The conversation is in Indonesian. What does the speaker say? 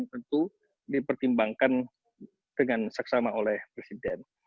tentu dipertimbangkan dengan seksama oleh presiden